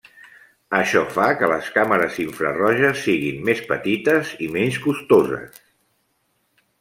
Això fa que les càmeres infraroges siguin més petites i menys costoses.